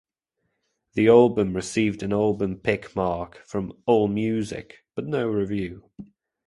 The album received an Album Pick mark from Allmusic but no review.